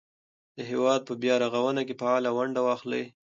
د هېواد په بیا رغونه کې فعاله ونډه واخلئ.